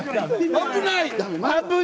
危ない。